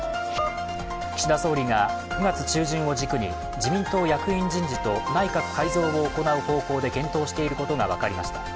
岸田総理が９月中旬を軸に自民党役員人事と内閣改造を行う方向で検討していることが分かりました。